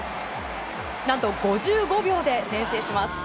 何と５５秒で先制します。